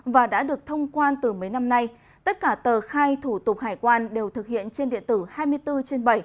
và đã được thông quan từ mấy năm nay tất cả tờ khai thủ tục hải quan đều thực hiện trên điện tử hai mươi bốn trên bảy